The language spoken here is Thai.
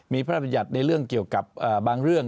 มีพระราชบัญญัติในเรื่องเกี่ยวกับบางเรื่อง